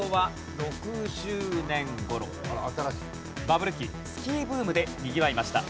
バブル期スキーブームでにぎわいました。